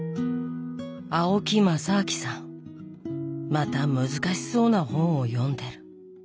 また難しそうな本を読んでる。